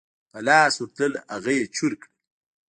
په لاس ورتلل هغه یې چور کړل.